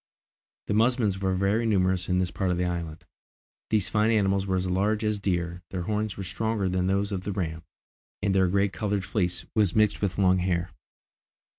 The musmons were very numerous in this part of the island. These fine animals were as large as deer; their horns were stronger than those of the ram, and their grey coloured fleece was mixed with long hair.